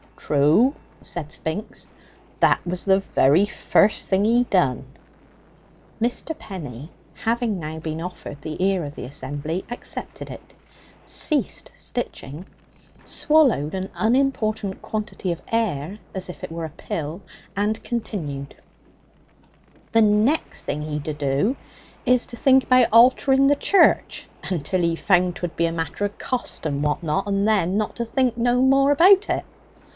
"True," said Spinks; "that was the very first thing he done." Mr. Penny, having now been offered the ear of the assembly, accepted it, ceased stitching, swallowed an unimportant quantity of air as if it were a pill, and continued: "The next thing he do do is to think about altering the church, until he found 'twould be a matter o' cost and what not, and then not to think no more about it."